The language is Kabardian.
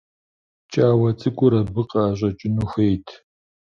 Пкӏауэ цӏыкӏур абы къыӏэщӏэкӏыну хуейт.